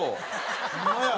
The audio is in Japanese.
ホンマや！